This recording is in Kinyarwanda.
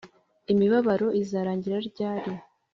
Imibabaro izarangira ryari?